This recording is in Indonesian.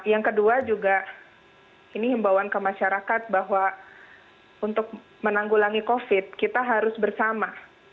yang kedua juga ini himbauan ke masyarakat bahwa untuk menanggulangi covid kita harus bersama